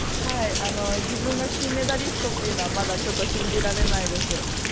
自分が金メダリストというのはまだちょっと信じられないです。